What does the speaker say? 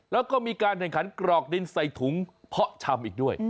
แล้วก็มีการแข่งขันกรอกดินใส่ถุงเพาะชำอีกด้วย